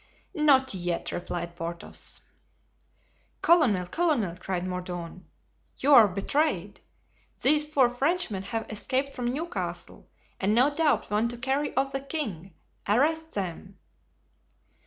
"Not yet," replied Porthos. "Colonel, colonel," cried Mordaunt, "you are betrayed. These four Frenchmen have escaped from Newcastle, and no doubt want to carry off the king. Arrest them."